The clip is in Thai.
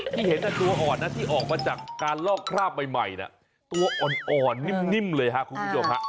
ที่เห็นตัวอ่อนนะที่ออกมาจากการลอกคราบใหม่ตัวอ่อนนิ่มเลยครับคุณผู้ชมฮะ